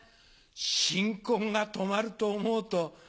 新婚が泊まると思うと。